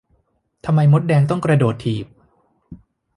ทำไมมดแดงต้องกระโดดถีบ